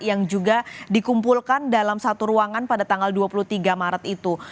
yang juga dikumpulkan dalam satu ruangan pada tanggal dua puluh tiga maret itu